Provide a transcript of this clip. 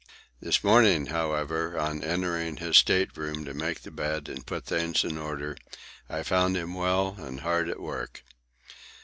This morning, however, on entering his state room to make the bed and put things in order, I found him well and hard at work.